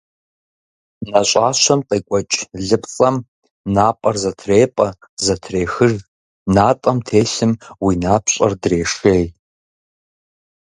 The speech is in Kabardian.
Нэщӏащэм къекӏуэкӏ лыпцӏэм напӏэр зэтрепӏэ, зэтрехыж, натӏэм телъым уи напщӏэр дрешей.